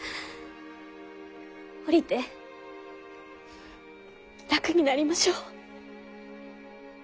降りて楽になりましょう。